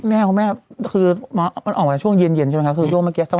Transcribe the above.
แม่คุณแม่คือมันออกจากช่วงเย็นใช่ไหมคะ